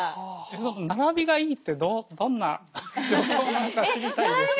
その並びがいいってどんな状況なのか知りたいです。